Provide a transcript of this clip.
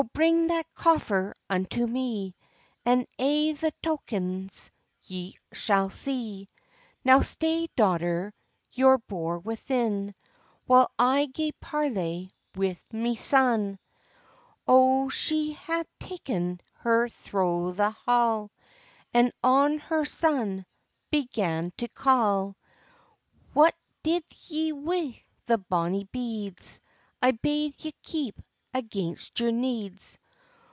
"O bring that coffer unto me, And a' the tokens ye sall see." "Now stay, daughter, your bour within, While I gae parley wi' my son." O she has ta'en her thro' the ha', And on her son began to ca': "What did ye wi' the bonny beads, I bade ye keep against your needs?